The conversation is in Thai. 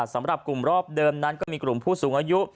สำหรับกลุ่มรอบเดิมนั้นก็มีกลุ่มผู้สูงอายุ